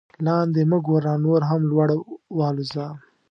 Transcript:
لاندې مه ګوره نور هم لوړ والوځه.